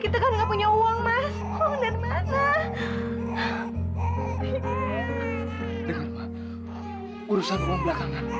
jangan beli untuk saudara saudara sendirinya